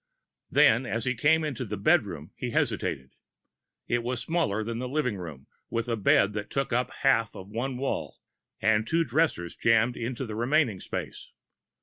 Then, as he came into the bedroom, he hesitated. It was smaller than the living room, with a bed that took up half of one wall, and two dressers jammed into the remaining space.